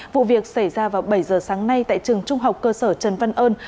vụ việc xảy ra vào bảy giờ sáng nay tại trường trung học cơ sở trần văn ơn